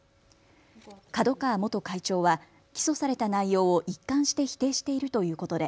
角川元会長は起訴された内容を一貫して否定しているということで